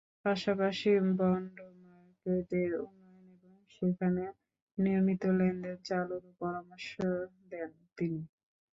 পাশাপাশি বন্ড মার্কেটের উন্নয়ন এবং সেখানে নিয়মিত লেনদেন চালুরও পরামর্শ দেন তিনি।